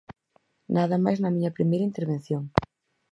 Nada máis na miña primeira intervención.